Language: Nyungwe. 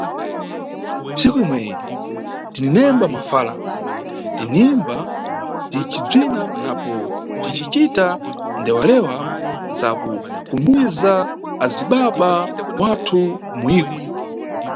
Ntsiku imweyi tininemba mafala, tiniyimba, ticibzina napo ticicita ndewalewa za kutumbiza azibaba wathu kumuyiko.